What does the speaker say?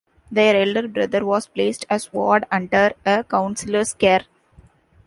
Their elder brother was placed as ward under a Councillor's care.